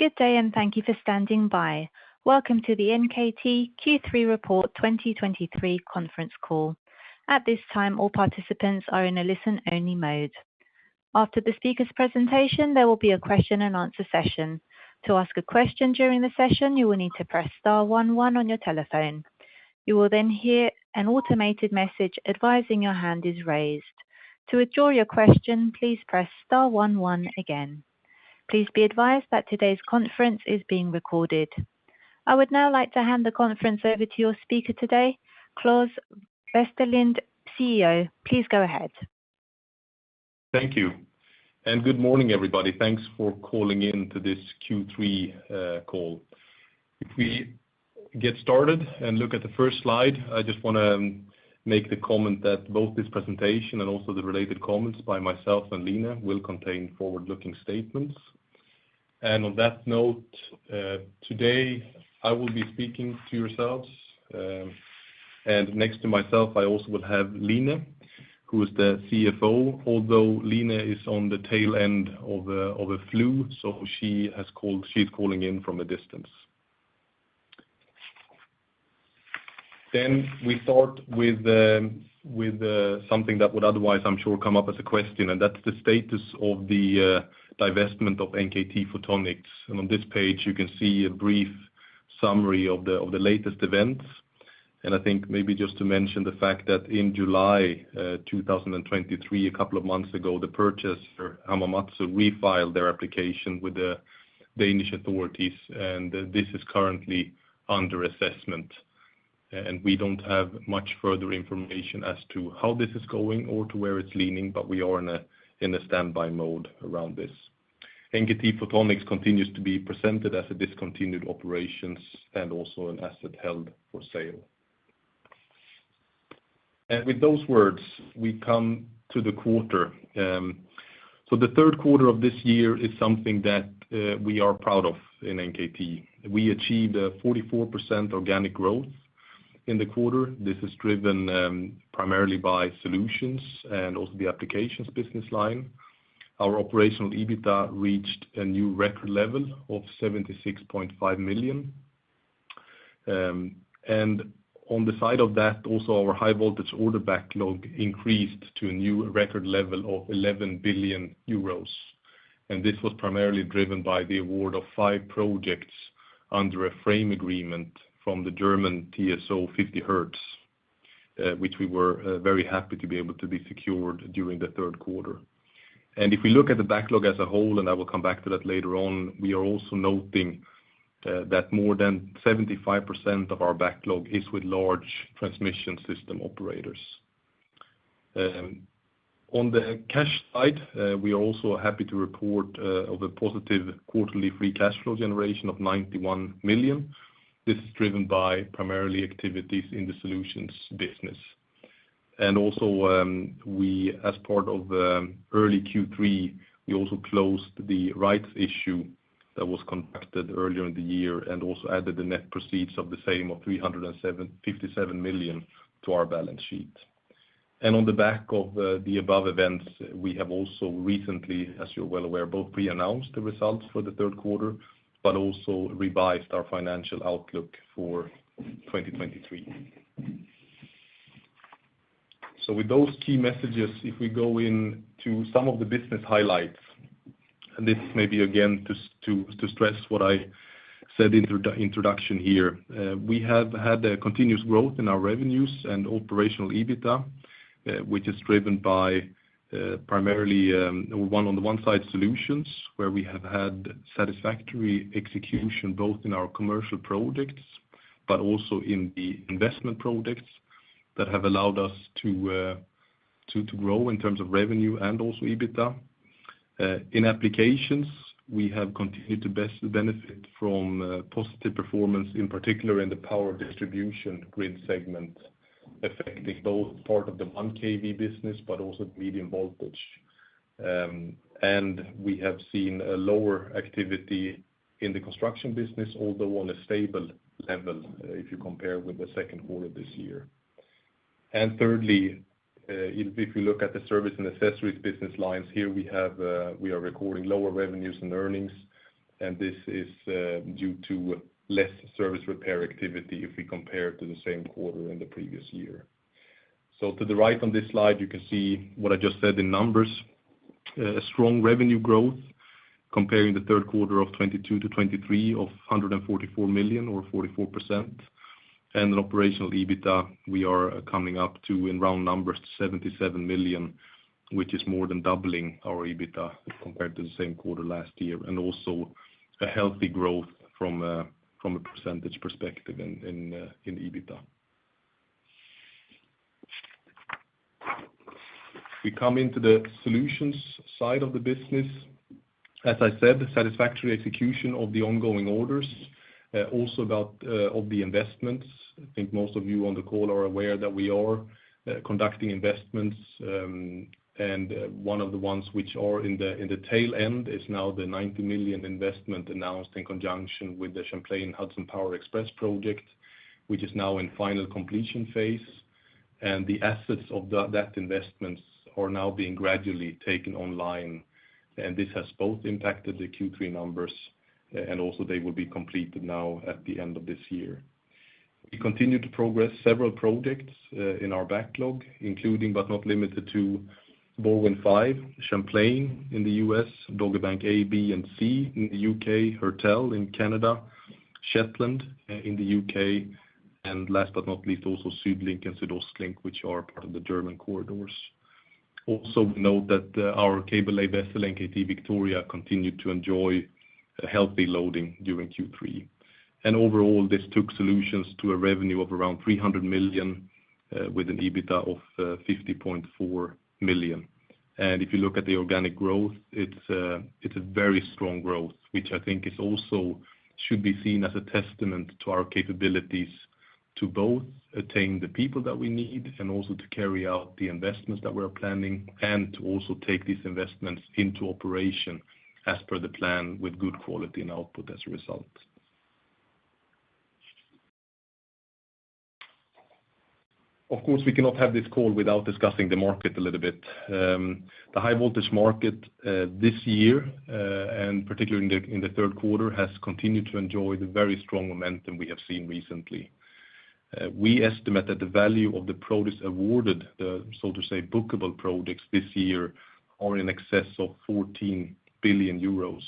Good day, and thank you for standing by. Welcome to the NKT Q3 Report 2023 conference call. At this time, all participants are in a listen-only mode. After the speaker's presentation, there will be a question and answer session. To ask a question during the session, you will need to press star one one on your telephone. You will then hear an automated message advising your hand is raised. To withdraw your question, please press star one one again. Please be advised that today's conference is being recorded. I would now like to hand the conference over to your speaker today, Claes Westerlind, CEO. Please go ahead. Thank you, and good morning, everybody. Thanks for calling in to this Q3 call. If we get started and look at the first slide, I just want to make the comment that both this presentation and also the related comments by myself and Line will contain forward-looking statements. On that note, today, I will be speaking to yourselves. Next to myself, I also will have Line, who is the CFO, although Line is on the tail end of a flu, so she has called, she's calling in from a distance. Then we start with something that would otherwise, I'm sure, come up as a question, and that's the status of the divestment of NKT Photonics. On this page, you can see a brief summary of the latest events. I think maybe just to mention the fact that in July 2023, a couple of months ago, the purchaser, Hamamatsu, refiled their application with the Danish authorities, and this is currently under assessment, and we don't have much further information as to how this is going or to where it's leaning, but we are in a standby mode around this. NKT Photonics continues to be presented as a discontinued operations and also an asset held for sale. With those words, we come to the quarter. So the third quarter of this year is something that we are proud of in NKT. We achieved a 44% organic growth in the quarter. This is driven primarily by solutions and also the applications business line. Our operational EBITDA reached a new record level of 76.5 million. On the side of that, also our high voltage order backlog increased to a new record level of 11 billion euros, and this was primarily driven by the award of 5 projects under a frame agreement from the German TSO 50 Hz, which we were very happy to be able to be secured during the third quarter. If we look at the backlog as a whole, and I will come back to that later on, we are also noting that more than 75% of our backlog is with large transmission system operators. On the cash side, we are also happy to report of a positive quarterly free cash flow generation of 91 million. This is driven by primarily activities in the solutions business. And also, we, as part of the early Q3, we also closed the rights issue that was conducted earlier in the year, and also added the net proceeds of the same of 357 million to our balance sheet. And on the back of the above events, we have also recently, as you're well aware, both pre-announced the results for the third quarter, but also revised our financial outlook for 2023. So with those key messages, if we go into some of the business highlights, and this may be, again, to stress what I said in the introduction here. We have had a continuous growth in our revenues and operational EBITDA, which is driven by, primarily, on the one side, solutions, where we have had satisfactory execution, both in our commercial projects, but also in the investment projects that have allowed us to grow in terms of revenue and also EBITDA. In applications, we have continued to benefit from positive performance, in particular in the power distribution grid segment, affecting both part of the 1 kV business, but also medium voltage. And we have seen a lower activity in the construction business, although on a stable level, if you compare with the second quarter this year. And thirdly, if you look at the service and accessories business lines, here we have, we are recording lower revenues and earnings, and this is due to less service repair activity if we compare to the same quarter in the previous year. So to the right on this slide, you can see what I just said in numbers, a strong revenue growth comparing the third quarter of 2022 to 2023 of 144 million or 44%. And an operational EBITDA, we are coming up to, in round numbers, 77 million, which is more than doubling our EBITDA compared to the same quarter last year, and also a healthy growth from a percentage perspective in EBITDA. We come into the solutions side of the business. As I said, the satisfactory execution of the ongoing orders, also about, of the investments. I think most of you on the call are aware that we are, conducting investments, and one of the ones which are in the, in the tail end is now the 90 million investment announced in conjunction with the Champlain Hudson Power Express project, which is now in final completion phase. And the assets of the, that investments are now being gradually taken online, and this has both impacted the Q3 numbers, and also they will be completed now at the end of this year. We continue to progress several projects in our backlog, including, but not limited to, BorWin5, Champlain in the US, Dogger Bank A, B, and C in the UK, Hertel in Canada, Shetland in the UK, and last but not least, also SuedLink and SuedOstLink, which are part of the German corridors. Also, we note that our cable-lay vessel, NKT Victoria, continued to enjoy a healthy loading during Q3. Overall, this took Solutions to a revenue of around 300 million with an EBITDA of 50.4 million. If you look at the organic growth, it's, it's a very strong growth, which I think is also should be seen as a testament to our capabilities to both attain the people that we need, and also to carry out the investments that we're planning, and to also take these investments into operation as per the plan with good quality and output as a result. Of course, we cannot have this call without discussing the market a little bit. The high voltage market this year and particularly in the third quarter has continued to enjoy the very strong momentum we have seen recently. We estimate that the value of the projects awarded, so to say, bookable projects this year, are in excess of 14 billion euros.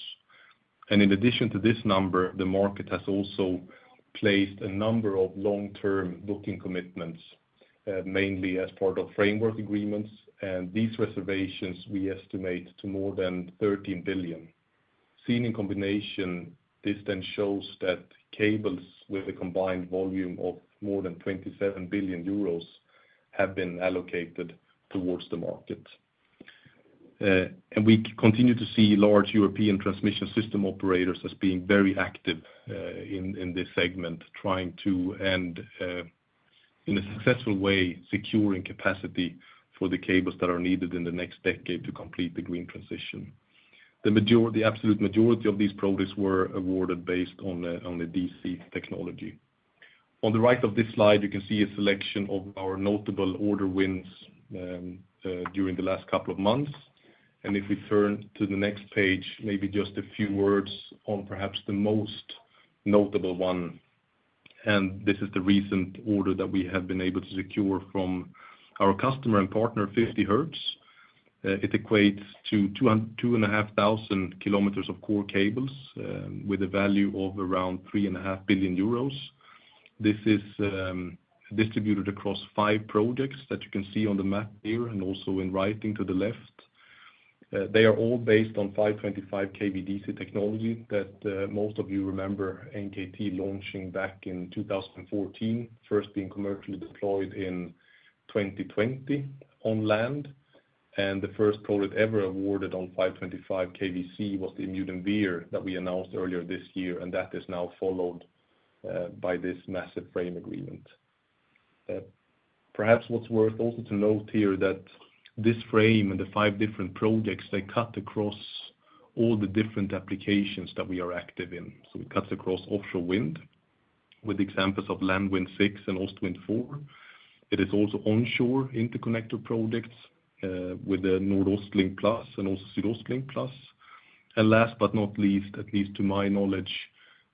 In addition to this number, the market has also placed a number of long-term booking commitments, mainly as part of framework agreements, and these reservations we estimate to more than 13 billion. Seen in combination, this then shows that cables with a combined volume of more than 27 billion euros have been allocated towards the market. We continue to see large European transmission system operators as being very active in this segment, trying to, and in a successful way, securing capacity for the cables that are needed in the next decade to complete the green transition. The absolute majority of these projects were awarded based on the DC technology. On the right of this slide, you can see a selection of our notable order wins during the last couple of months. And if we turn to the next page, maybe just a few words on perhaps the most notable one, and this is the recent order that we have been able to secure from our customer and partner, 50 Hz. It equates to 2,500 km of core cables, with a value of around 3.5 billion euros. This is distributed across five projects that you can see on the map here, and also in writing to the left. They are all based on 525 kV DC technology that most of you remember NKT launching back in 2014, first being commercially deployed in 2020 on land. And the first project ever awarded on 525 kV DC was the IJmuiden Ver that we announced earlier this year, and that is now followed by this massive frame agreement. Perhaps what's worth also to note here that this frame and the five different projects, they cut across all the different applications that we are active in. So it cuts across offshore wind, with examples of LanWin6 and Ostwind4. It is also onshore interconnector projects, with the Nordostlink Plus and also SuedOstLink Plus. And last but not least, at least to my knowledge,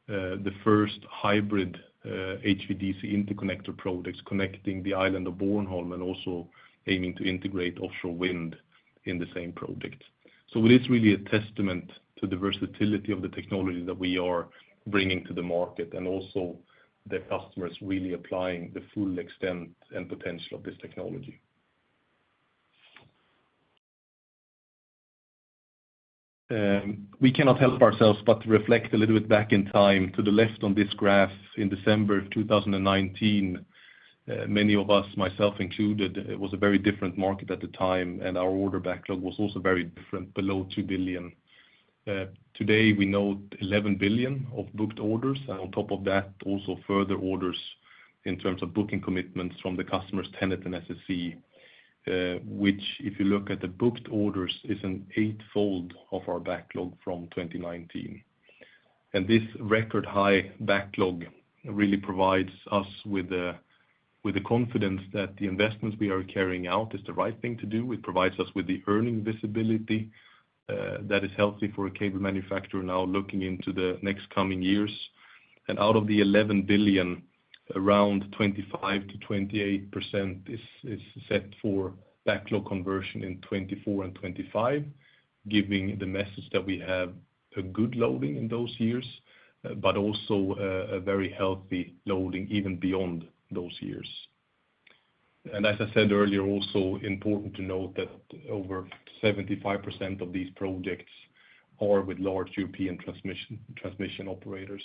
the first hybrid, HVDC interconnector projects connecting the island of Bornholm and also aiming to integrate offshore wind in the same project. So it is really a testament to the versatility of the technology that we are bringing to the market, and also the customers really applying the full extent and potential of this technology. We cannot help ourselves but to reflect a little bit back in time. To the left on this graph, in December of 2019, many of us, myself included, it was a very different market at the time, and our order backlog was also very different, below 2 billion. Today, we note 11 billion of booked orders, and on top of that, also further orders in terms of booking commitments from the customers TenneT and SSE, which, if you look at the booked orders, is an eightfold of our backlog from 2019. And this record-high backlog really provides us with the, with the confidence that the investments we are carrying out is the right thing to do. It provides us with the earning visibility, that is healthy for a cable manufacturer now looking into the next coming years. And out of the 11 billion, around 25%-28% is set for backlog conversion in 2024 and 2025, giving the message that we have a good loading in those years, but also a very healthy loading even beyond those years. And as I said earlier, also important to note that over 75% of these projects are with large European transmission operators.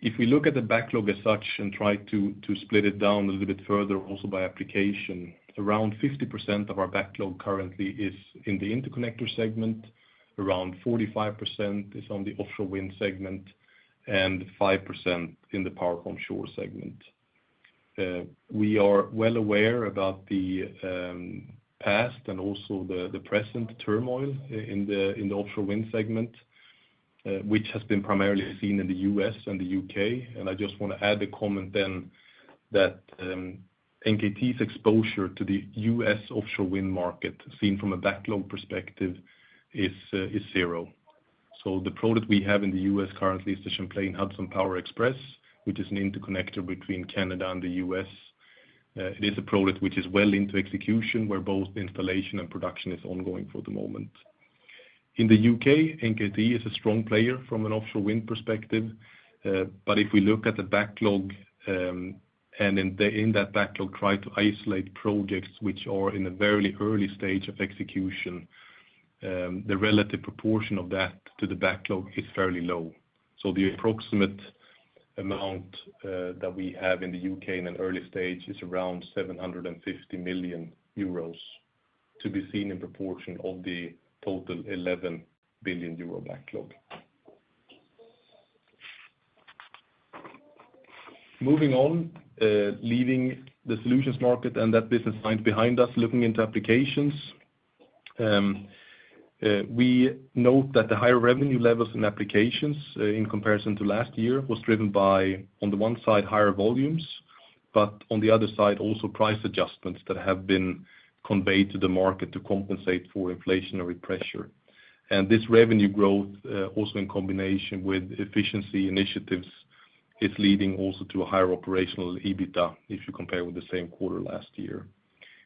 If we look at the backlog as such and try to split it down a little bit further, also by application, around 50% of our backlog currently is in the interconnector segment, around 45% is on the offshore wind segment, and 5% in the power onshore segment. We are well aware about the past and also the present turmoil in the offshore wind segment. which has been primarily seen in the U.S. and the U.K. I just want to add the comment then, that NKT's exposure to the U.S. offshore wind market, seen from a backlog perspective, is zero. So the product we have in the U.S. currently is the Champlain Hudson Power Express, which is an interconnector between Canada and the U.S. It is a product which is well into execution, where both installation and production is ongoing for the moment. In the U.K., NKT is a strong player from an offshore wind perspective. But if we look at the backlog, and in that backlog, try to isolate projects which are in a very early stage of execution, the relative proportion of that to the backlog is fairly low. So the approximate amount that we have in the UK in an early stage is around 750 million euros, to be seen in proportion of the total 11 billion euro backlog. Moving on, leaving the solutions market and that business line behind us, looking into applications. We note that the higher revenue levels in applications, in comparison to last year, was driven by, on the one side, higher volumes, but on the other side, also price adjustments that have been conveyed to the market to compensate for inflationary pressure. And this revenue growth, also in combination with efficiency initiatives, is leading also to a higher operational EBITDA, if you compare with the same quarter last year.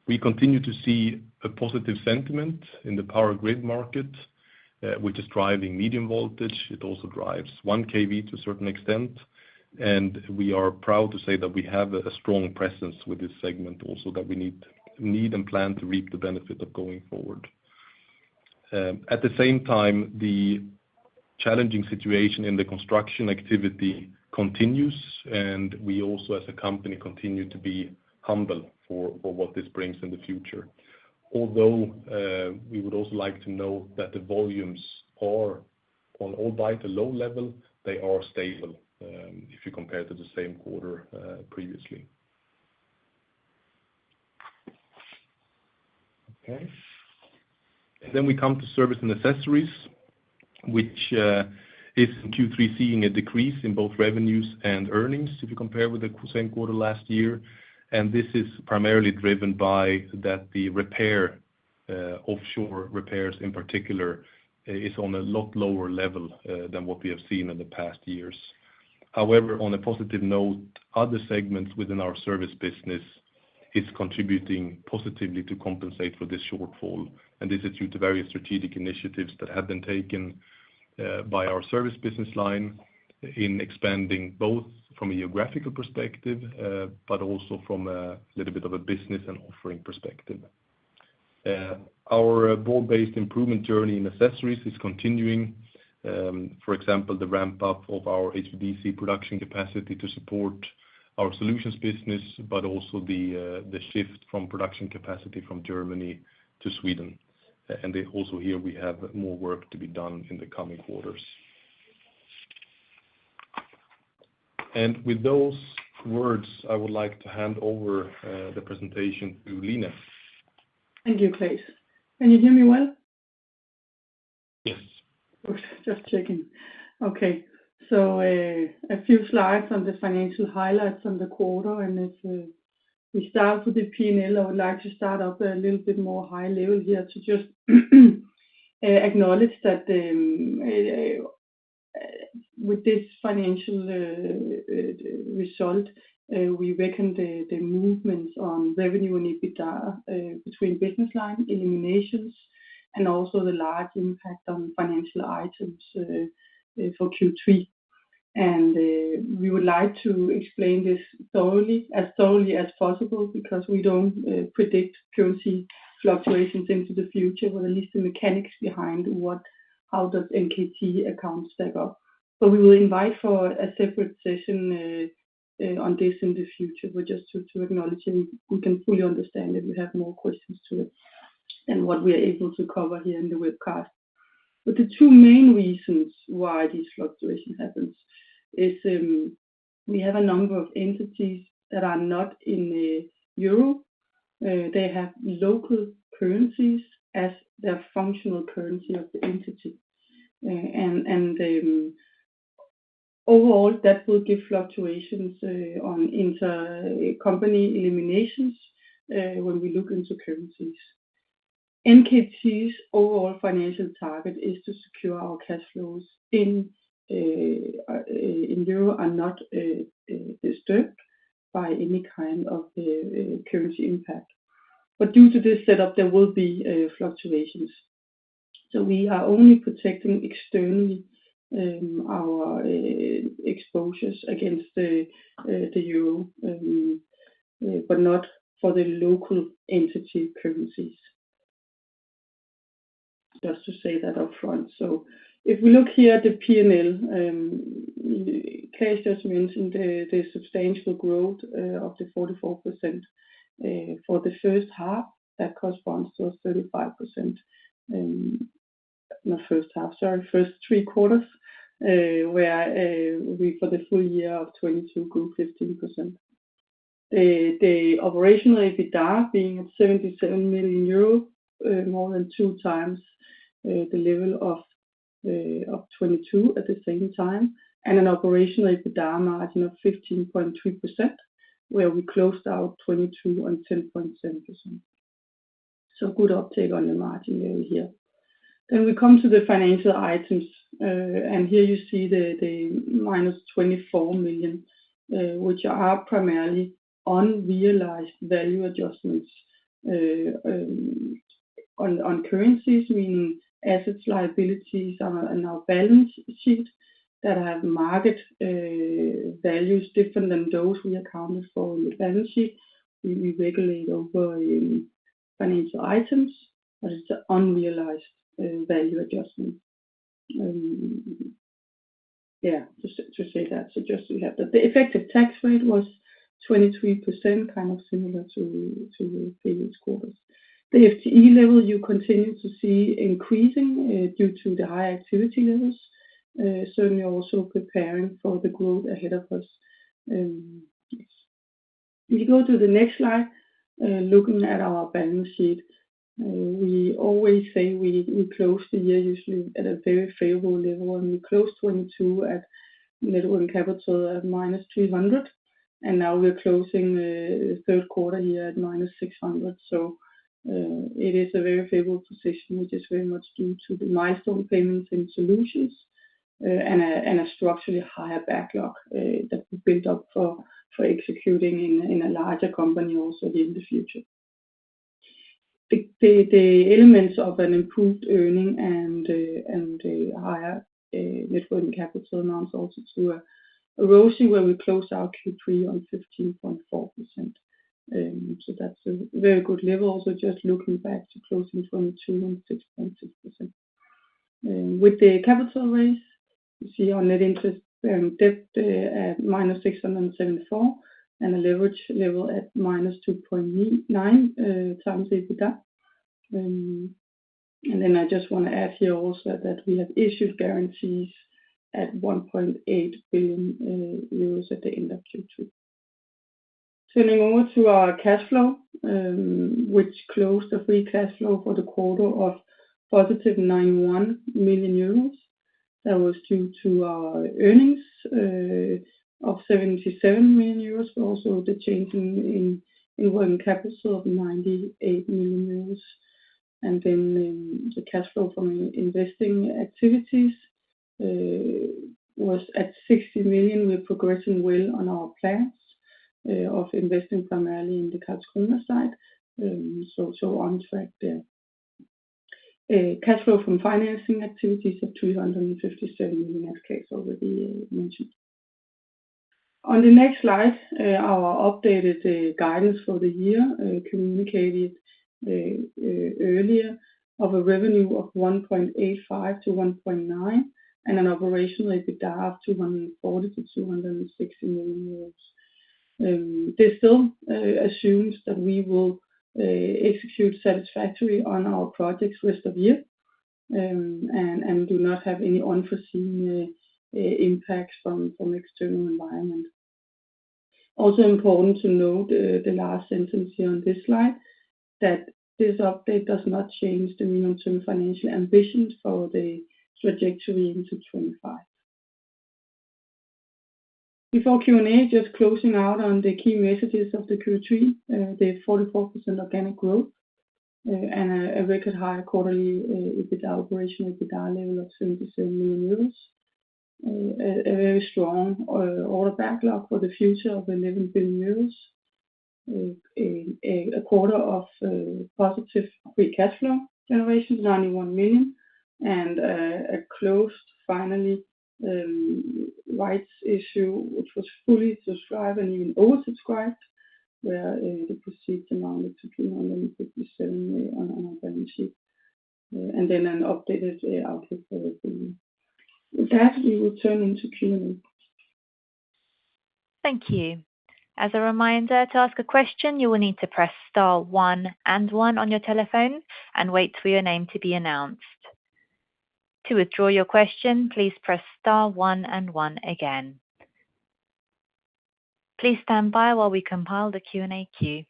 We continue to see a positive sentiment in the power grid market, which is driving medium voltage. It also drives 1 kV to a certain extent, and we are proud to say that we have a strong presence with this segment also, that we need, we need and plan to reap the benefit of going forward. At the same time, the challenging situation in the construction activity continues, and we also, as a company, continue to be humble for, for what this brings in the future. Although, we would also like to note that the volumes are on, albeit a low level, they are stable, if you compare to the same quarter, previously. Okay. Then we come to service and accessories, which is in Q3, seeing a decrease in both revenues and earnings, if you compare with the same quarter last year. This is primarily driven by that the repair, offshore repairs in particular, is on a lot lower level than what we have seen in the past years. However, on a positive note, other segments within our service business is contributing positively to compensate for this shortfall, and this is due to various strategic initiatives that have been taken by our service business line in expanding both from a geographical perspective, but also from a little bit of a business and offering perspective. Our broad-based improvement journey in accessories is continuing. For example, the ramp-up of our HVDC production capacity to support our solutions business, but also the shift from production capacity from Germany to Sweden. And then also here, we have more work to be done in the coming quarters. With those words, I would like to hand over the presentation to Line. Thank you, Claes. Can you hear me well? Yes. Good. Just checking. Okay, so, a few slides on the financial highlights on the quarter, and it's, we start with the P&L. I would like to start up a little bit more high level here to just acknowledge that, with this financial result, we reckon the movements on revenue and EBITDA, between business line eliminations and also the large impact on financial items, for Q3. We would like to explain this thoroughly, as thoroughly as possible, because we don't predict currency fluctuations into the future, or at least the mechanics behind what- how does NKT accounts stack up. So we will invite for a separate session on this in the future, but just to acknowledge, and we can fully understand that we have more questions to it than what we are able to cover here in the webcast. But the two main reasons why this fluctuation happens is, we have a number of entities that are not in the euro. They have local currencies as their functional currency of the entity. And overall, that will give fluctuations on intercompany eliminations when we look into currencies. NKT's overall financial target is to secure our cash flows in euro are not disturbed by any kind of currency impact. But due to this setup, there will be fluctuations. We are only protecting externally, our exposures against the euro, but not for the local entity currencies. Just to say that up front. If we look here at the P&L, Claes just mentioned the substantial growth of 44% for the first half. That corresponds to 35%, not first half, sorry, first three quarters, where we for the full year of 2022 grew 15%. The operational EBITDA being at 77 million euro, more than 2 times the level of 2022 at the same time, and an operational EBITDA margin of 15.3%, where we closed out 2022 on 10.7%. So good uptake on the margin level here. Then we come to the financial items, and here you see the -24 million, which are primarily unrealized value adjustments. On currencies, meaning assets, liabilities, on our balance sheet that have market values different than those we accounted for in the balance sheet. We regulate over in financial items, but it's an unrealized value adjustment. Yeah, just to say that, so just we have that. The effective tax rate was 23%, kind of similar to the previous quarters. The FTE level, you continue to see increasing due to the high activity levels. Certainly also preparing for the growth ahead of us. If you go to the next slide, looking at our balance sheet, we always say we close the year usually at a very favorable level, and we closed 2022 at Net Working Capital at -300 million, and now we're closing the third quarter here at -600 million. So, it is a very favorable position, which is very much due to the milestone payments and solutions, and a structurally higher backlog that we built up for executing in a larger company also in the future. The elements of an improved earnings and a higher Net Working Capital amounts also to a ROCE where we close out Q3 on 15.4%. So that's a very good level, also just looking back to closing 2022 on 6.6%. With the capital raise, you see our net interest debt at -674 million, and a leverage level at -2.9 times the EBITDA. And then I just want to add here also that we have issued guarantees at 1.8 billion euros at the end of Q2. Turning over to our cash flow, which closed the free cash flow for the quarter of +91 million euros. That was due to our earnings of 77 million euros, but also the change in working capital of 98 million euros. And then, the cash flow from investing activities was at 60 million. We're progressing well on our plans of investing primarily in the Karlskrona site. So, on track there. Cash flow from financing activities of 257 million, as Claes already mentioned. On the next slide, our updated guidance for the year, communicated earlier, of a revenue of 1.85-1.9, and an operational EBITDA of 240 million-260 million euros. This still assumes that we will execute satisfactorily on our projects rest of year, and do not have any unforeseen impacts from external environment. Also important to note, the last sentence here on this slide, that this update does not change the medium-term financial ambitions for the trajectory into 2025. Before Q&A, just closing out on the key messages of the Q3. The 44% organic growth and a record high quarterly EBITDA, operational EBITDA level of 77 million euros. A very strong order backlog for the future of 11 billion euros. A quarter of positive free cash flow generation, 91 million, and a closed finally rights issue, which was fully subscribed and even oversubscribed, where the proceeds amount of EUR 257 million on our balance sheet. And then an updated outlook for the year. With that, we will turn into Q&A. Thank you. As a reminder, to ask a question, you will need to press star one and one on your telephone and wait for your name to be announced. To withdraw your question, please press star one and one again. Please stand by while we compile the Q&A queue.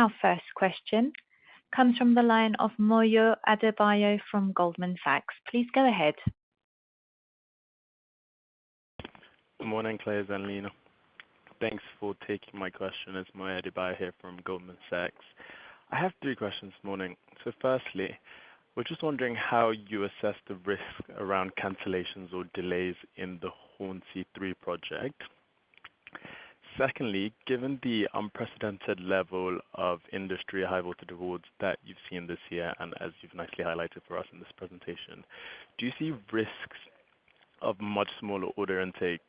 Our first question comes from the line of Moyo Adebayo from Goldman Sachs. Please go ahead. Good morning, Claes and Line. Thanks for taking my question. It's Moyo Adebayo here from Goldman Sachs. I have three questions this morning. So firstly, we're just wondering how you assess the risk around cancellations or delays in the Hornsea Three project. Secondly, given the unprecedented level of industry high voltage awards that you've seen this year, and as you've nicely highlighted for us in this presentation, do you see risks of much smaller order intake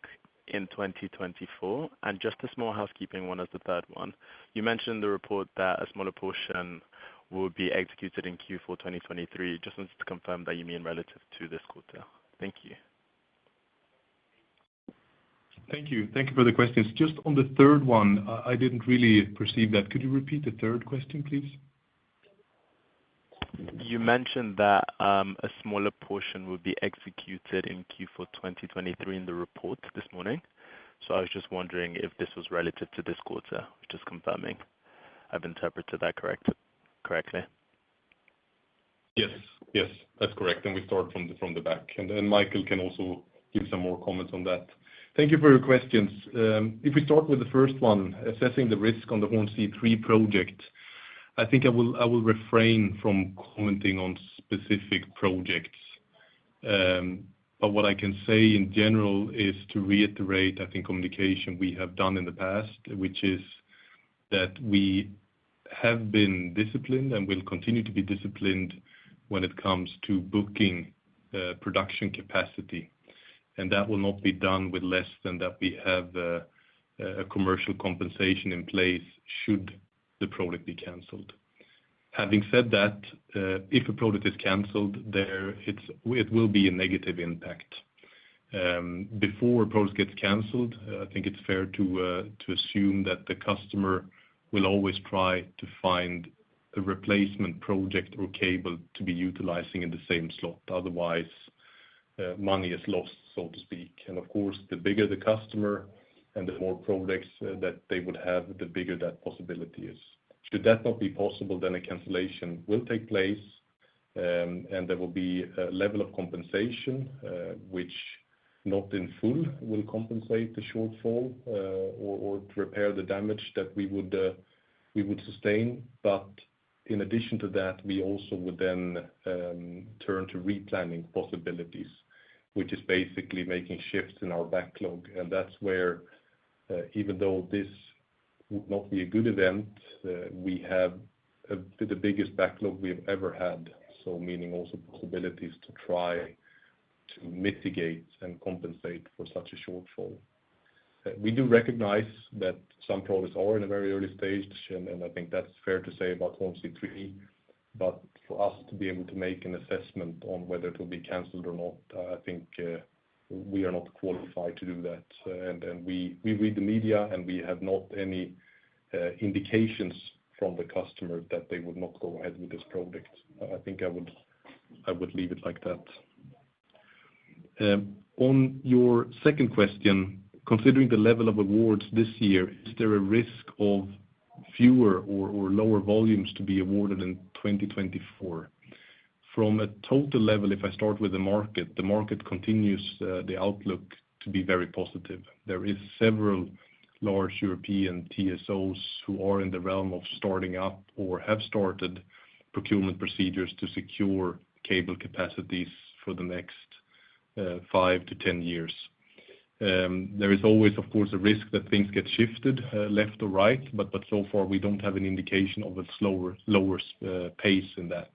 in 2024? And just a small housekeeping one as the third one. You mentioned the report that a smaller portion will be executed in Q4 2023. Just wanted to confirm that you mean relative to this quarter. Thank you. ... Thank you. Thank you for the questions. Just on the third one, I didn't really perceive that. Could you repeat the third question, please? You mentioned that a smaller portion would be executed in Q4 2023 in the report this morning. So I was just wondering if this was relative to this quarter, just confirming I've interpreted that correct, correctly. Yes. Yes, that's correct, and we start from the back, and then Michael can also give some more comments on that. Thank you for your questions. If we start with the first one, assessing the risk on the Hornsea Three project, I think I will refrain from commenting on specific projects. But what I can say in general is to reiterate, I think communication we have done in the past, which is that we have been disciplined and will continue to be disciplined when it comes to booking production capacity. And that will not be done with less than that we have a commercial compensation in place, should the project be canceled. Having said that, if a project is canceled, it will be a negative impact. Before a project gets canceled, I think it's fair to assume that the customer will always try to find a replacement project or cable to be utilizing in the same slot. Otherwise, money is lost, so to speak. And of course, the bigger the customer and the more projects that they would have, the bigger that possibility is. Should that not be possible, then a cancellation will take place, and there will be a level of compensation, which not in full will compensate the shortfall, or to repair the damage that we would sustain. But in addition to that, we also would then turn to replanning possibilities, which is basically making shifts in our backlog. That's where, even though this would not be a good event, we have the biggest backlog we've ever had, so meaning also possibilities to try to mitigate and compensate for such a shortfall. We do recognize that some projects are in a very early stage, and I think that's fair to say about Hornsea Three, but for us to be able to make an assessment on whether it will be canceled or not, I think we are not qualified to do that. And we read the media, and we have not any indications from the customer that they would not go ahead with this project. I think I would leave it like that. On your second question, considering the level of awards this year, is there a risk of fewer or lower volumes to be awarded in 2024? From a total level, if I start with the market, the market continues the outlook to be very positive. There is several large European TSOs who are in the realm of starting up or have started procurement procedures to secure cable capacities for the next 5-10 years. There is always, of course, a risk that things get shifted left or right, but so far, we don't have an indication of a slower, lower pace in that.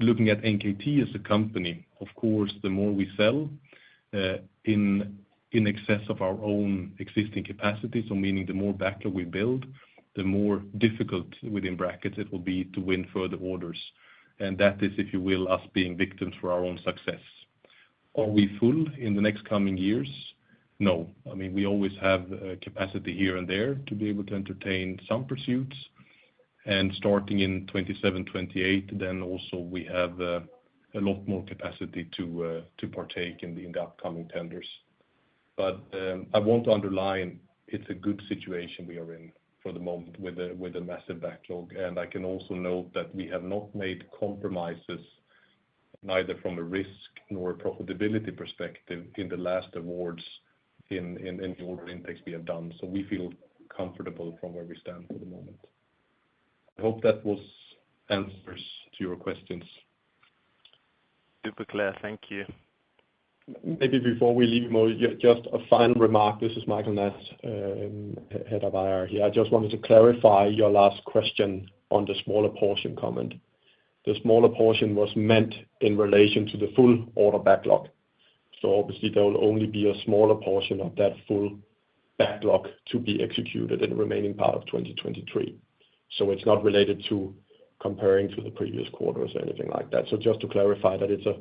Looking at NKT as a company, of course, the more we sell, in excess of our own existing capacity, so meaning the more backlog we build, the more difficult, within brackets, it will be to win further orders. And that is, if you will, us being victims for our own success. Are we full in the next coming years? No. I mean, we always have, capacity here and there to be able to entertain some pursuits. And starting in 2027, 2028, then also we have, a lot more capacity to, to partake in the, in the upcoming tenders. But, I want to underline it's a good situation we are in for the moment with a, with a massive backlog. I can also note that we have not made compromises, neither from a risk nor a profitability perspective in the last awards, in the order intakes we have done. We feel comfortable from where we stand for the moment. I hope that was answers to your questions. Super clear. Thank you. Maybe before we leave Mo, just, just a final remark. This is Michael Nast, Head of IR here. I just wanted to clarify your last question on the smaller portion comment. The smaller portion was meant in relation to the full order backlog. So obviously, there will only be a smaller portion of that full backlog to be executed in the remaining part of 2023. So it's not related to comparing to the previous quarters or anything like that. So just to clarify that, it's a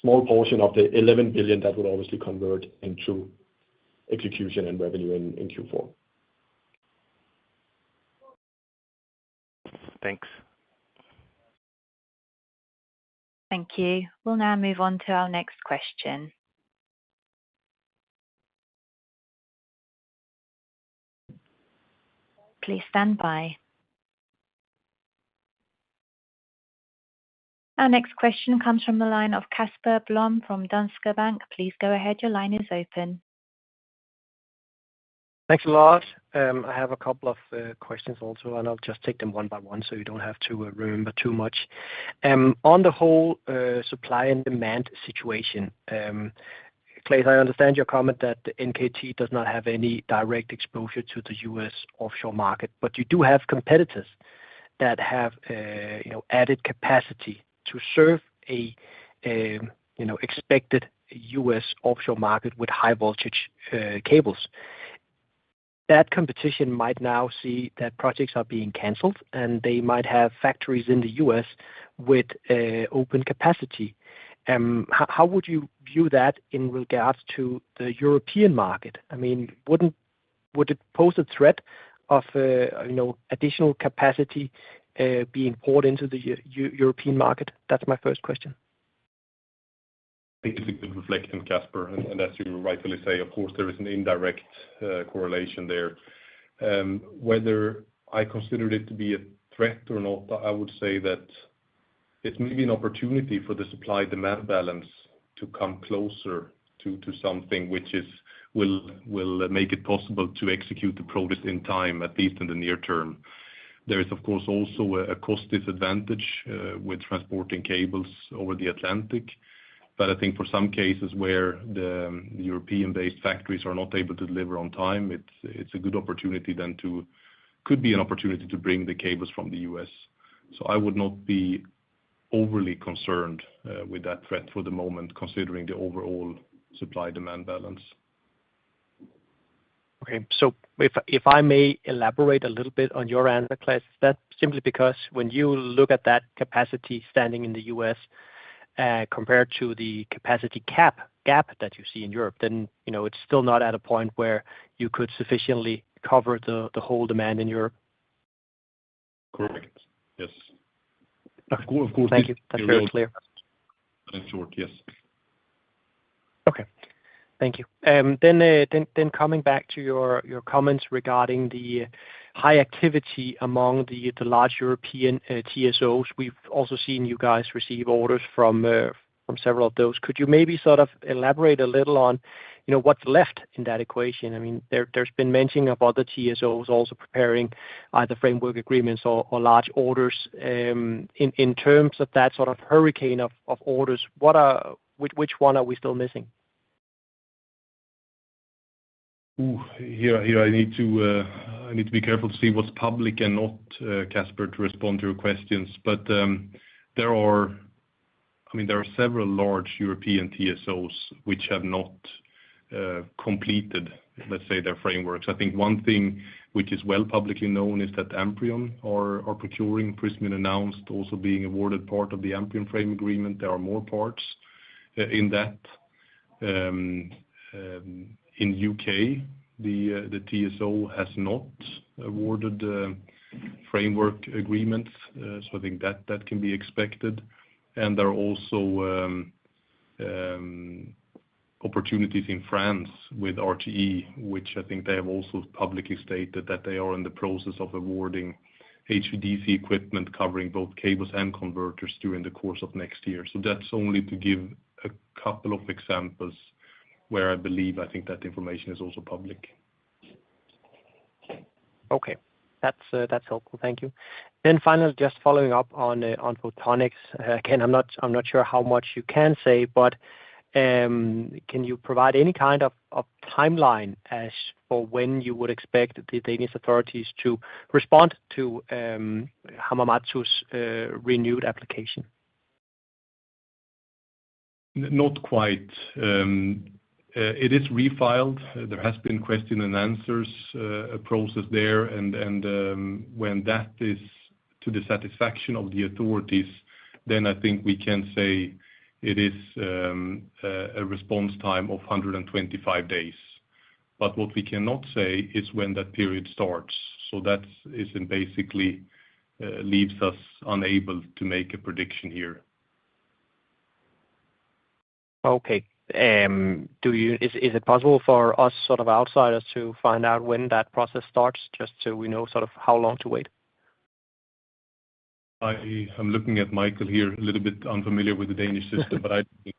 small portion of the 11 billion that would obviously convert into execution and revenue in Q4. Thanks. Thank you. We'll now move on to our next question. Please stand by. Our next question comes from the line of Casper Blom, from Danske Bank. Please go ahead. Your line is open. Thanks a lot. I have a couple of questions also, and I'll just take them one by one, so you don't have to remember too much. On the whole supply and demand situation, Claes, I understand your comment that NKT does not have any direct exposure to the U.S. offshore market, but you do have competitors that have, you know, added capacity to serve a, you know, expected U.S. offshore market with high-voltage cables. That competition might now see that projects are being canceled, and they might have factories in the U.S. with open capacity. How would you view that in regards to the European market? I mean, wouldn't it pose a threat of, you know, additional capacity being poured into the European market? That's my first question. I think it's a good reflection, Kasper, and as you rightfully say, of course, there is an indirect correlation there. Whether I considered it to be a threat or not, I would say that it may be an opportunity for the supply-demand balance to come closer to something which will make it possible to execute the progress in time, at least in the near term. There is, of course, also a cost disadvantage with transporting cables over the Atlantic. But I think for some cases where the European-based factories are not able to deliver on time, it's a good opportunity then to could be an opportunity to bring the cables from the US. So I would not be overly concerned with that threat for the moment, considering the overall supply-demand balance. Okay. So if I may elaborate a little bit on your answer, Claes, that simply because when you look at that capacity standing in the U.S., compared to the capacity gap that you see in Europe, then, you know, it's still not at a point where you could sufficiently cover the whole demand in Europe? Correct. Yes. Of course, of course- Thank you. That's very clear. In short, yes. Okay. Thank you. Then coming back to your comments regarding the high activity among the large European TSOs, we've also seen you guys receive orders from several of those. Could you maybe sort of elaborate a little on, you know, what's left in that equation? I mean, there's been mentioning of other TSOs also preparing either framework agreements or large orders. In terms of that sort of hurricane of orders, what are—which, which one are we still missing? I need to be careful to see what's public and not, Kasper, to respond to your questions. But, I mean, there are several large European TSOs which have not completed, let's say, their frameworks. I think one thing which is well publicly known is that Amprion are procuring. Prysmian announced also being awarded part of the Amprion frame agreement. There are more parts in that. In UK, the TSO has not awarded framework agreements, so I think that that can be expected. And there are also opportunities in France with RTE, which I think they have also publicly stated that they are in the process of awarding HVDC equipment, covering both cables and converters during the course of next year. That's only to give a couple of examples where I believe, I think that information is also public. Okay. That's helpful. Thank you. Then finally, just following up on Photonics. Again, I'm not sure how much you can say, but can you provide any kind of timeline as for when you would expect the Danish authorities to respond to Hamamatsu's renewed application? Not quite. It is refiled. There has been question and answers process there, and when that is to the satisfaction of the authorities, then I think we can say it is a response time of 125 days. But what we cannot say is when that period starts. So that basically leaves us unable to make a prediction here. Okay, is it possible for us, sort of outsiders, to find out when that process starts, just so we know sort of how long to wait? I'm looking at Michael here, a little bit unfamiliar with the Danish system, but I think-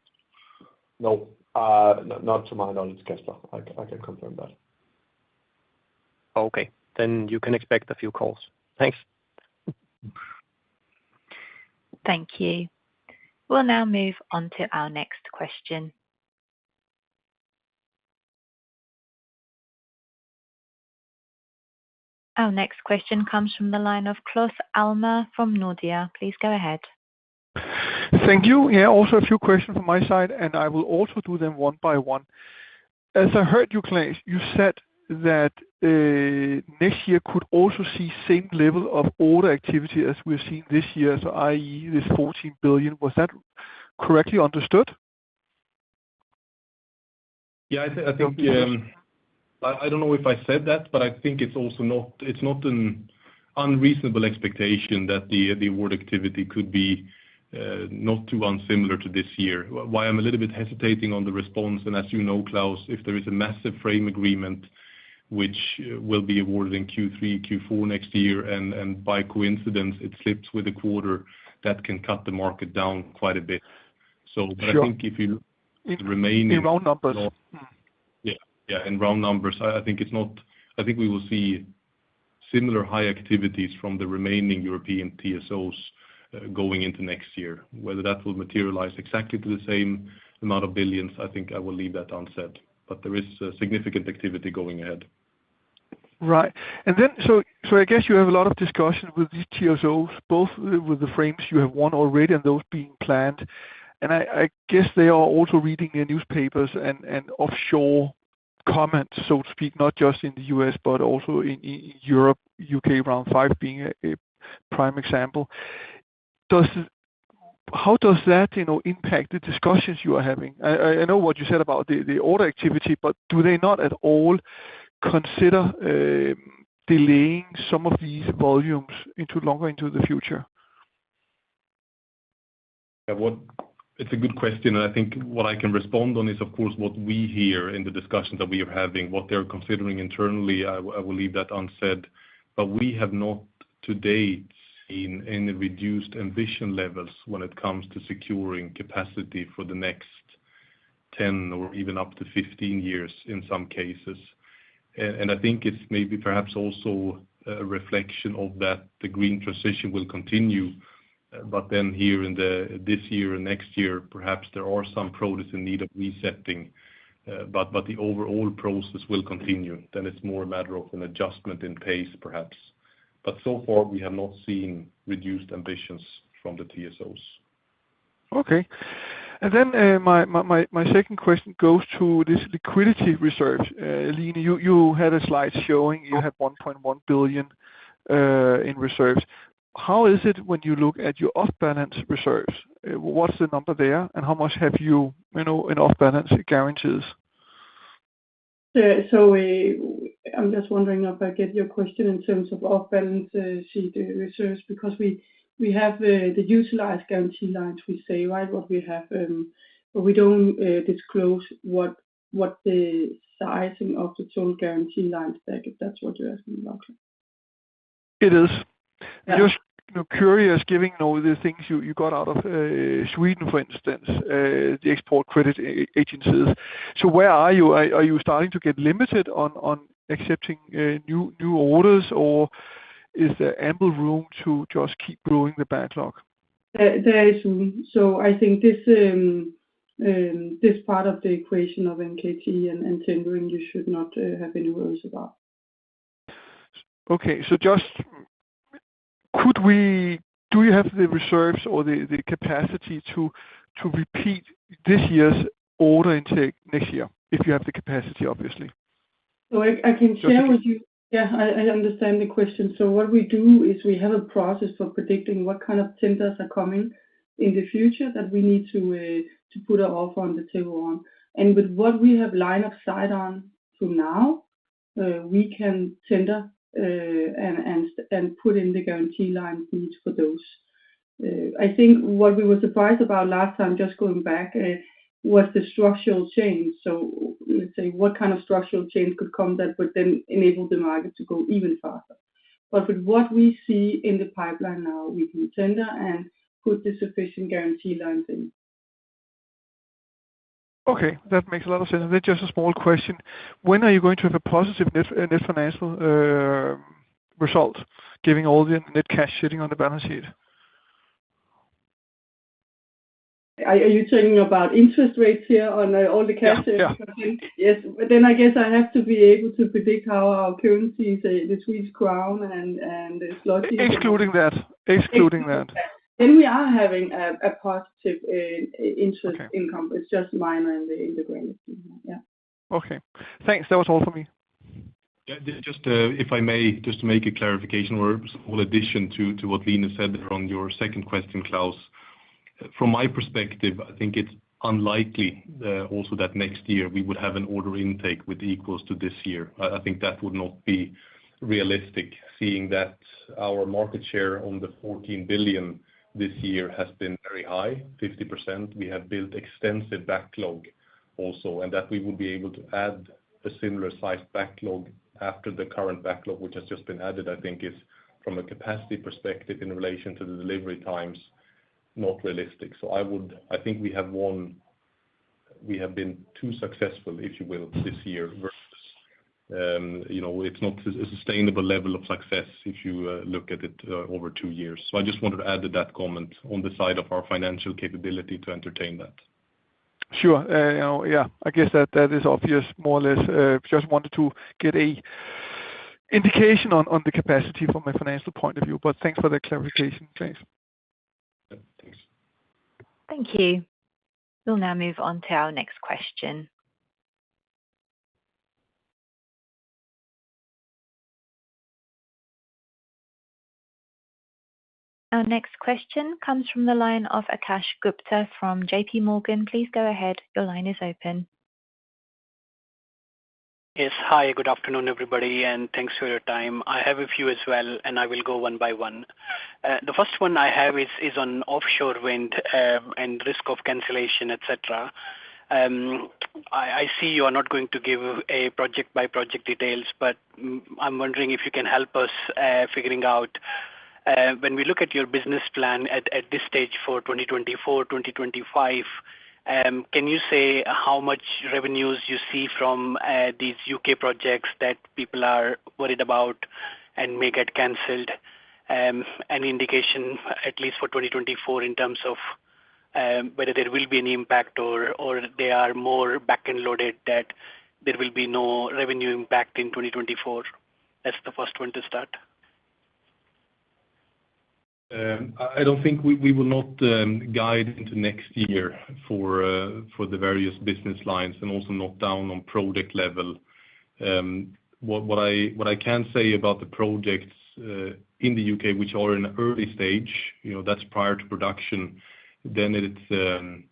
No, not to my knowledge, Kasper. I can, I can confirm that. Okay. Then you can expect a few calls. Thanks. Thank you. We'll now move on to our next question. Our next question comes from the line of Claus Almer from Nordea. Please go ahead. Thank you. Yeah, also a few questions from my side, and I will also do them one by one. As I heard you, Claes, you said that next year could also see same level of order activity as we're seeing this year, so i.e., this 14 billion. Was that correctly understood? Yeah, I think, I, I don't know if I said that, but I think it's also not—it's not an unreasonable expectation that the, the order activity could be not too unsimilar to this year. Why I'm a little bit hesitating on the response, and as you know, Claus, if there is a massive frame agreement which will be awarded in Q3, Q4 next year, and, and by coincidence, it slips with a quarter, that can cut the market down quite a bit. Sure. So I think if you remain- In round numbers. Yeah, yeah, in round numbers, I think we will see similar high activities from the remaining European TSOs going into next year. Whether that will materialize exactly to the same amount of billions, I think I will leave that unsaid, but there is a significant activity going ahead. Right. And then, so, so I guess you have a lot of discussion with these TSOs, both with the frames you have won already and those being planned. And I, I guess they are also reading their newspapers and, and offshore comments, so to speak, not just in the U.S., but also in, in Europe, UK Round 5 being a, a prime example. Does—how does that, you know, impact the discussions you are having? I, I, I know what you said about the, the order activity, but do they not at all consider delaying some of these volumes into longer into the future? Yeah, it's a good question, and I think what I can respond on is, of course, what we hear in the discussions that we are having. What they're considering internally, I will, I will leave that unsaid. But we have not to date seen any reduced ambition levels when it comes to securing capacity for the next 10 or even up to 15 years in some cases. And I think it's maybe perhaps also a reflection of that, the green transition will continue. But then here in the, this year and next year, perhaps there are some projects in need of resetting, but, but the overall process will continue. Then it's more a matter of an adjustment in pace, perhaps. But so far, we have not seen reduced ambitions from the TSOs. Okay. Then, my second question goes to this liquidity reserve. Line, you had a slide showing you had 1.1 billion in reserves. How is it when you look at your off-balance reserves? What's the number there, and how much have you, you know, in off-balance guarantees? So, I'm just wondering if I get your question in terms of off-balance sheet reserves, because we have the utilized guarantee lines we say, right, what we have, but we don't disclose what the sizing of the total guarantee lines back, if that's what you're asking about. It is. Yeah. Just, you know, curious, given all the things you got out of Sweden, for instance, the export credit agencies. So where are you? Are you starting to get limited on accepting new orders, or is there ample room to just keep growing the backlog? There is room. So I think this, this part of the equation of NKT and tendering, you should not have any worries about. Okay, so just, do you have the reserves or the capacity to repeat this year's order intake next year? If you have the capacity, obviously. So I can share with you. Okay. Yeah, I understand the question. So what we do is we have a process for predicting what kind of tenders are coming in the future that we need to put an offer on the table on. And with what we have line of sight on to now, we can tender and put in the guarantee line needs for those. I think what we were surprised about last time, just going back, was the structural change. So let's say, what kind of structural change could come that would then enable the market to go even faster? But with what we see in the pipeline now, we can tender and put the sufficient guarantee lines in. Okay, that makes a lot of sense. Then just a small question: When are you going to have a positive net, net financial, result, giving all the net cash sitting on the balance sheet? Are you talking about interest rates here on all the cash? Yeah, yeah. Yes. But then I guess I have to be able to predict how our currencies, the Swiss franc and the zloty- Excluding that, excluding that. We are having a positive interest income. Okay. It's just minor in the grand scheme, yeah. Okay. Thanks. That was all for me. Yeah, just if I may, just to make a clarification or a small addition to what Line said there on your second question, Claus. From my perspective, I think it's unlikely also that next year we would have an order intake with equals to this year. I think that would not be realistic, seeing that our market share on the 14 billion this year has been very high, 50%. We have built extensive backlog also, and that we would be able to add a similar size backlog after the current backlog, which has just been added, I think is from a capacity perspective in relation to the delivery times, not realistic. So I would, I think we have won. We have been too successful, if you will, this year versus, you know, it's not a sustainable level of success if you look at it over two years. So I just wanted to add to that comment on the side of our financial capability to entertain that. Sure. Yeah, I guess that, that is obvious, more or less. Just wanted to get a indication on, on the capacity from a financial point of view, but thanks for that clarification, Claus. Yeah. Thanks. Thank you. We'll now move on to our next question. Our next question comes from the line of Akash Gupta from JP Morgan. Please go ahead. Your line is open. Yes. Hi, good afternoon, everybody, and thanks for your time. I have a few as well, and I will go one by one. The first one I have is on offshore wind and risk of cancellation, et cetera. I see you are not going to give a project-by-project details, but I'm wondering if you can help us figuring out when we look at your business plan at this stage for 2024, 2025, can you say how much revenues you see from these UK projects that people are worried about and may get canceled? An indication, at least for 2024, in terms of whether there will be an impact or they are more back-end loaded, that there will be no revenue impact in 2024. That's the first one to start. ...I don't think we will not guide into next year for the various business lines and also not down on project level. What I can say about the projects in the UK, which are in early stage, you know, that's prior to production, then it's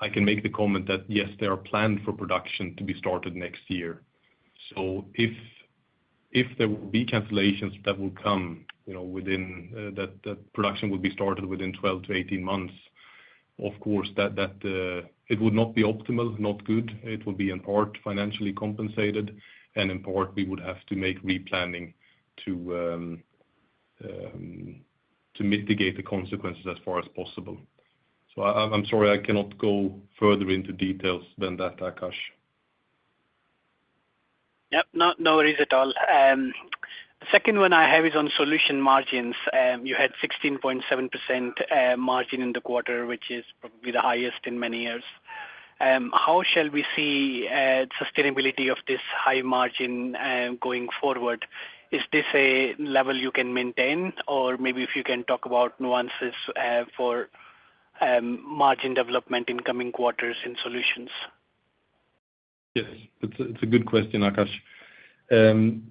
I can make the comment that, yes, they are planned for production to be started next year. So if there will be cancellations that will come, you know, within that production will be started within 12-18 months, of course, that it would not be optimal, not good. It will be in part financially compensated, and in part, we would have to make replanning to mitigate the consequences as far as possible. I'm sorry, I cannot go further into details than that, Akash. Yep, no, no worries at all. The second one I have is on solution margins. You had 16.7% margin in the quarter, which is probably the highest in many years. How shall we see sustainability of this high margin going forward? Is this a level you can maintain, or maybe if you can talk about nuances for margin development in coming quarters in solutions? Yes, it's a good question, Akash.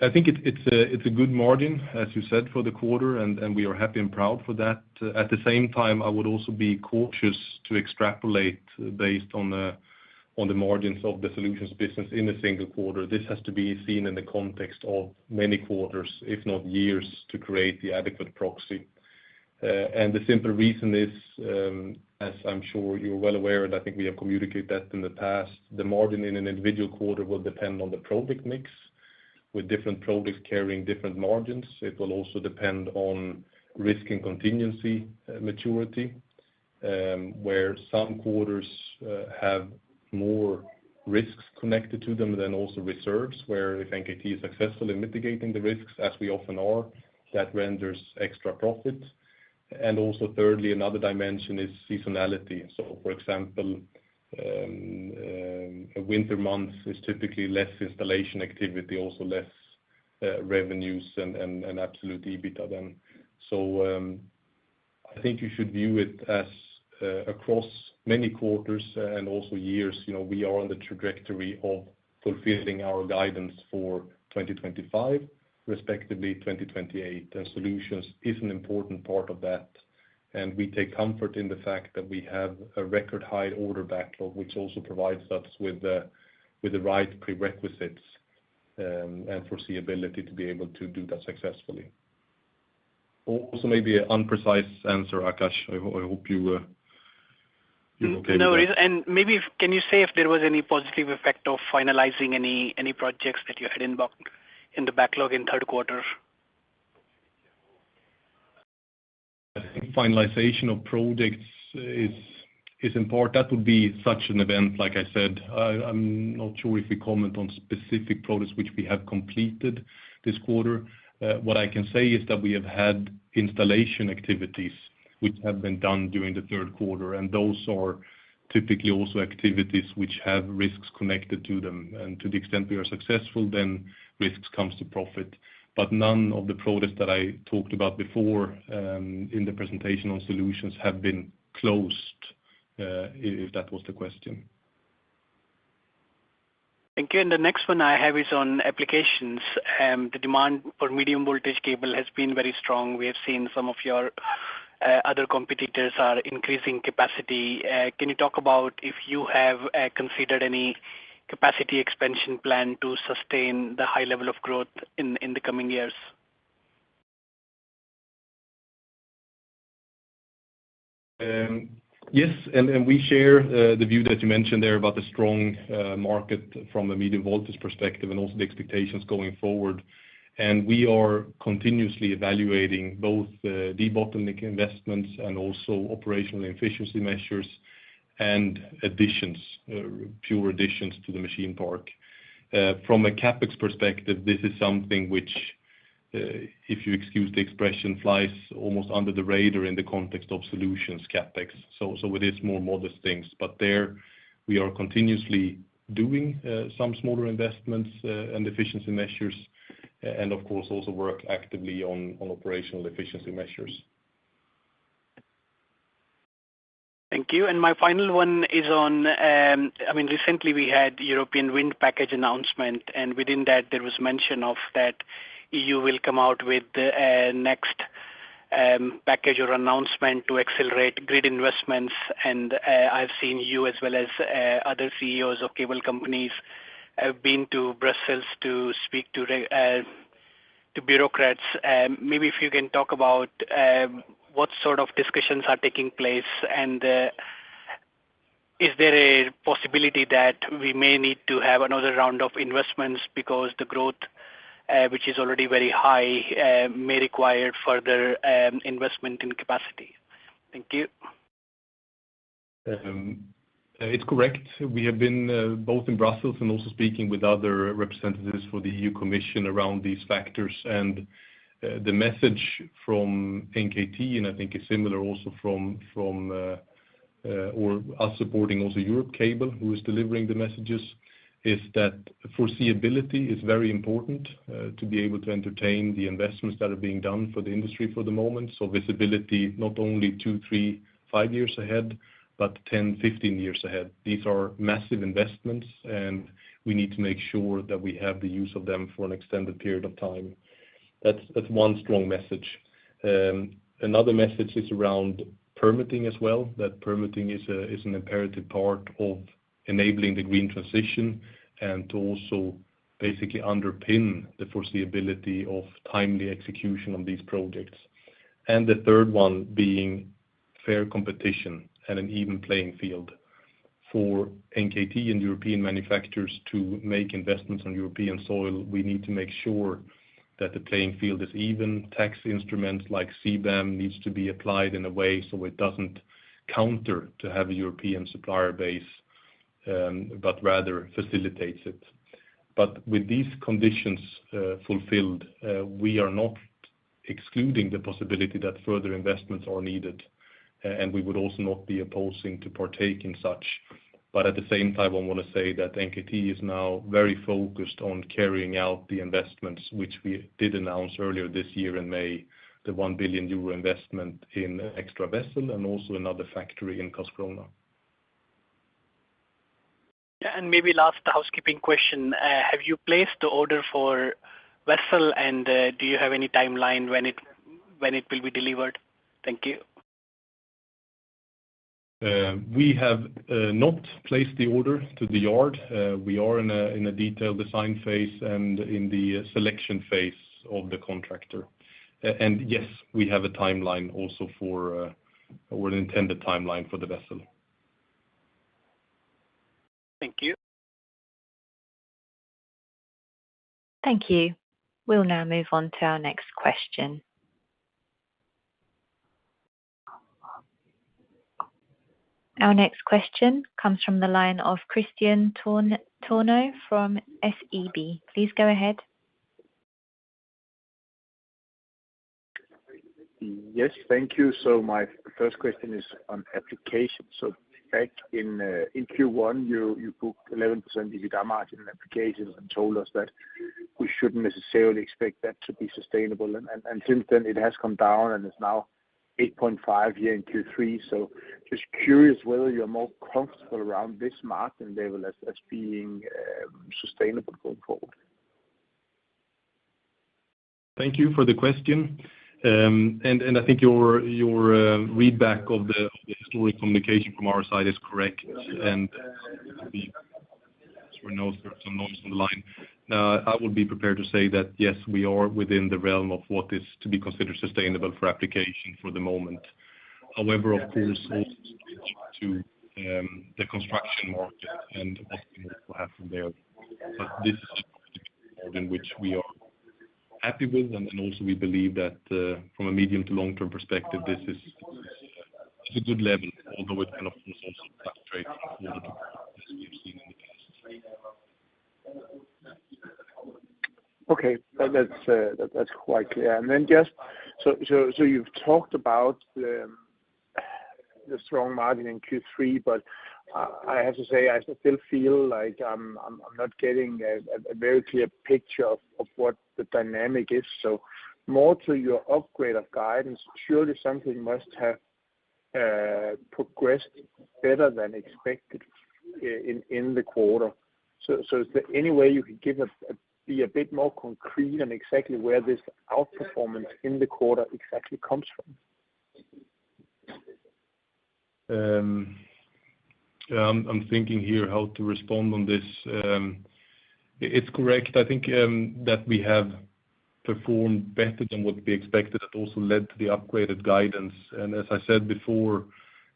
I think it's a good margin, as you said, for the quarter, and we are happy and proud for that. At the same time, I would also be cautious to extrapolate based on the margins of the solutions business in a single quarter. This has to be seen in the context of many quarters, if not years, to create the adequate proxy. And the simple reason is, as I'm sure you're well aware, and I think we have communicated that in the past, the margin in an individual quarter will depend on the product mix, with different products carrying different margins. It will also depend on risk and contingency, maturity, where some quarters have more risks connected to them than also reserves, where if NKT is successful in mitigating the risks, as we often are, that renders extra profit. And also, thirdly, another dimension is seasonality. So, for example, winter months is typically less installation activity, also less revenues and absolute EBITDA then. So, I think you should view it as across many quarters and also years, you know, we are on the trajectory of fulfilling our guidance for 2025, respectively, 2028, and solutions is an important part of that. And we take comfort in the fact that we have a record high order backlog, which also provides us with the right prerequisites and foreseeability to be able to do that successfully. Also, maybe an imprecise answer, Akash. I hope you're okay with that. No worries. And maybe, can you say if there was any positive effect of finalizing any projects that you had in the backlog in third quarter? I think finalization of projects is important. That would be such an event, like I said. I'm not sure if we comment on specific projects which we have completed this quarter. What I can say is that we have had installation activities which have been done during the third quarter, and those are typically also activities which have risks connected to them. And to the extent we are successful, then risks comes to profit. But none of the projects that I talked about before, in the presentation on solutions have to have been closed, if that was the question. Thank you. The next one I have is on applications. The demand for medium voltage cable has been very strong. We have seen some of your other competitors are increasing capacity. Can you talk about if you have considered any capacity expansion plan to sustain the high level of growth in the coming years? Yes, and we share the view that you mentioned there about the strong market from a medium voltage perspective and also the expectations going forward. And we are continuously evaluating both debottleneck investments and also operational efficiency measures and additions, pure additions to the machine park. From a CapEx perspective, this is something which, if you excuse the expression, flies almost under the radar in the context of solutions CapEx. So, it is more modest things. But there, we are continuously doing some smaller investments and efficiency measures, and of course, also work actively on operational efficiency measures. Thank you. And my final one is on, I mean, recently we had European Wind Package announcement, and within that, there was mention of that EU will come out with a, next, package or announcement to accelerate grid investments. And, I've seen you as well as, other CEOs of cable companies have been to Brussels to speak to, to bureaucrats. Maybe if you can talk about, what sort of discussions are taking place, and, is there a possibility that we may need to have another round of investments because the growth, which is already very high, may require further, investment in capacity? Thank you. It's correct. We have been both in Brussels and also speaking with other representatives for the EU Commission around these factors. And the message from NKT, and I think it's similar also from us supporting also Europe Cable, who is delivering the messages, is that foreseeability is very important to be able to entertain the investments that are being done for the industry for the moment. So visibility not only two, three, five years ahead, but 10, 15 years ahead. These are massive investments, and we need to make sure that we have the use of them for an extended period of time. That's one strong message. Another message is around permitting as well. That permitting is an imperative part of enabling the green transition and to also basically underpin the foreseeability of timely execution on these projects. And the third one being fair competition and an even playing field. For NKT and European manufacturers to make investments on European soil, we need to make sure that the playing field is even, tax instruments like CBAM needs to be applied in a way so it doesn't counter to have a European supplier base, but rather facilitates it. But with these conditions, fulfilled, we are not excluding the possibility that further investments are needed, and we would also not be opposing to partake in such. But at the same time, I want to say that NKT is now very focused on carrying out the investments, which we did announce earlier this year in May, the 1 billion euro investment in extra vessel and also another factory in Karlskrona. Maybe last housekeeping question. Have you placed the order for vessel, and do you have any timeline when it will be delivered? Thank you. We have not placed the order to the yard. We are in a detailed design phase and in the selection phase of the contractor. And yes, we have a timeline also for, or an intended timeline for the vessel. Thank you. Thank you. We'll now move on to our next question. Our next question comes from the line of Kristian Tornøe Johansen from SEB. Please go ahead. Yes, thank you. So my first question is on Applications. So back in Q1, you booked 11% EBITDA margin in Applications and told us that we shouldn't necessarily expect that to be sustainable. And since then it has come down, and it's now 8.5% here in Q3. So just curious whether you're more comfortable around this margin level as being sustainable going forward? Thank you for the question. I think your read back of the historic communication from our side is correct, and we know there's some noise on the line. I would be prepared to say that, yes, we are within the realm of what is to be considered sustainable for application for the moment. However, of course, to the construction market and what will happen there. This is in which we are happy with, and also we believe that, from a medium to long-term perspective, this is a good level, although it kind of also concentrate as we've seen in the past. Okay, that's quite clear. And then just so you've talked about the strong margin in Q3, but I have to say, I still feel like I'm not getting a very clear picture of what the dynamic is. So more to your upgrade of guidance, surely something must have progressed better than expected in the quarter. So is there any way you could give us a bit more concrete on exactly where this outperformance in the quarter exactly comes from? I'm thinking here how to respond on this. It's correct. I think that we have performed better than what we expected. It also led to the upgraded guidance. And as I said before,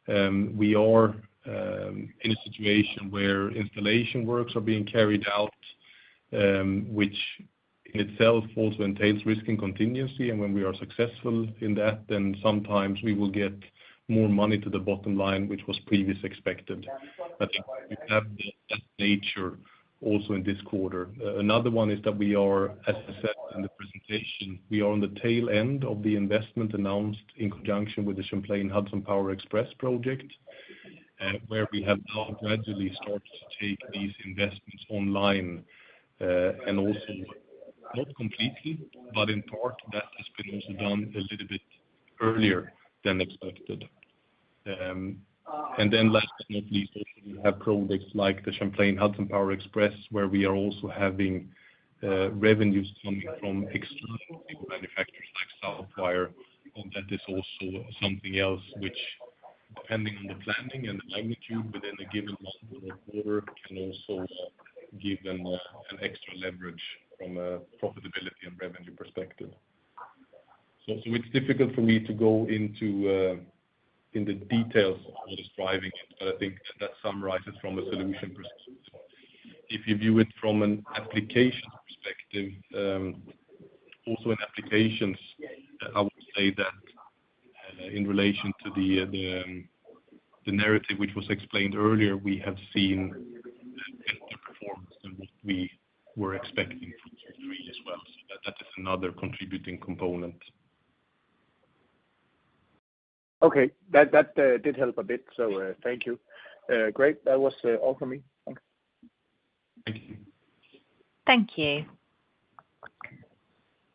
we are in a situation where installation works are being carried out, which in itself also entails risk and contingency. And when we are successful in that, then sometimes we will get more money to the bottom line, which was previously expected. But we have that nature also in this quarter. Another one is that we are, as I said in the presentation, we are on the tail end of the investment announced in conjunction with the Champlain Hudson Power Express project, where we have now gradually started to take these investments online, and also not completely, but in part, that has been also done a little bit earlier than expected. And then last but not least, we have projects like the Champlain Hudson Power Express, where we are also having revenues coming from external manufacturers, like sub-supplier. That is also something else which, depending on the planning and the magnitude within a given quarter, can also give them an extra leverage from a profitability and revenue perspective. So, so it's difficult for me to go into in the details of what is driving it, but I think that summarizes from a solution perspective. If you view it from an application perspective, also in applications, I would say that in relation to the narrative which was explained earlier, we have seen performance than what we were expecting from Q3 as well. So that is another contributing component. Okay. That did help a bit, so thank you. Great. That was all for me. Thanks. Thank you. Thank you.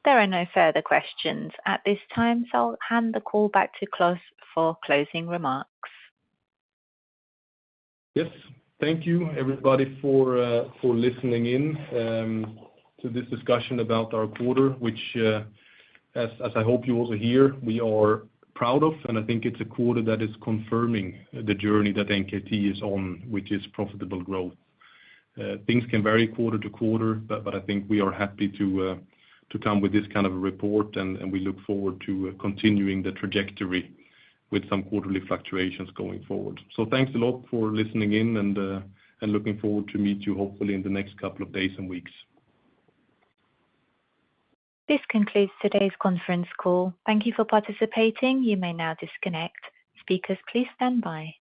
There are no further questions at this time, so I'll hand the call back to Claes for closing remarks. Yes. Thank you, everybody, for listening in to this discussion about our quarter, which, as I hope you also hear, we are proud of, and I think it's a quarter that is confirming the journey that NKT is on, which is profitable growth. Things can vary quarter to quarter, but I think we are happy to come with this kind of a report, and we look forward to continuing the trajectory with some quarterly fluctuations going forward. So thanks a lot for listening in, and looking forward to meet you hopefully in the next couple of days and weeks. This concludes today's conference call. Thank you for participating. You may now disconnect. Speakers, please stand by.